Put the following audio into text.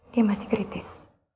dia masih kritis